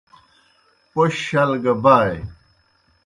پوْش شل گہ بائے۔